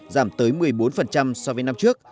giảm tới một mươi bốn so với năm trước